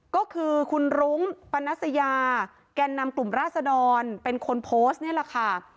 ก็คือคุณรุ้งปนัสยาแก่นำกลุ่มราศดรเป็นคนโพสต์นี่แหละค่ะ